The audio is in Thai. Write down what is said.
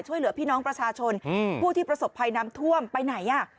ช่วยเหลือพี่น้องประชาชนผู้ที่ประสบภัยน้ำท่วมไปไหนอ่ะ